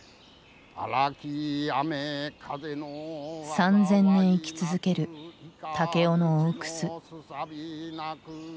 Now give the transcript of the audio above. ３，０００年生き続ける武雄の大楠。